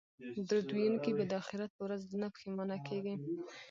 درود ویونکی به د اخرت په ورځ نه پښیمانه کیږي